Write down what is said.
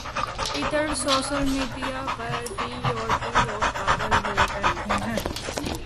ادھر social media پر بھی یورپی لوگ پاغل ہوئے بیٹھے ہیں